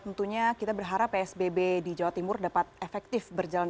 tentunya kita berharap psbb di jawa timur dapat efektif berjalan